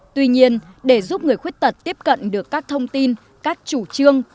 tuy nhiên để giúp người khuyết tật tiếp cận được các thông tin các chủ trương